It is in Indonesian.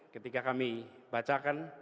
ketika kami bacakan